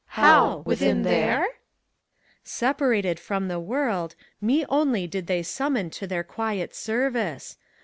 CHORUS. Howt within there f PHORKYAS. Separated From the world, me only did tbey summon to their quiet service.